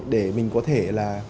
để mình có thể là